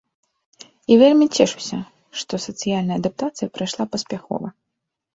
І вельмі цешуся, што сацыяльная адаптацыя прайшла паспяхова.